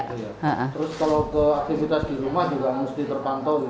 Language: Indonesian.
terus kalau ke aktivitas di rumah juga mesti terpantau